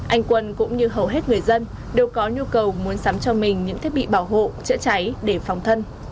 anh quân cũng như hầu hết người dân đều có nhu cầu muốn sắm cho mình những thiết bị bảo hộ chữa cháy để phòng thân